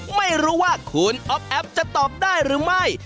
ไม่รู้ว่าคุณอ๊อฟแอฟจะตอบได้หรือไม่